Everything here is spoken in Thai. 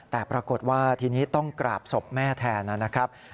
แต่ปรากฏว่าทีนี้ต้องกราบศพแม่แทนนะครับ